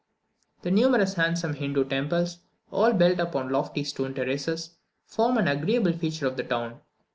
The numerous handsome Hindoo temples, all built upon lofty stone terraces, form an agreeable feature of the town.